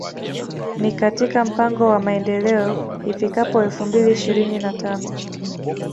Ni katika mpango wa Maendeleo ifikapo elfu mbili ishirini na tano